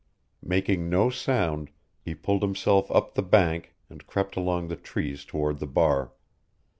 Making no sound, he pulled himself up the bank and crept among the trees toward the bar.